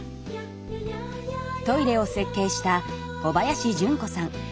トイレを設計した小林純子さん。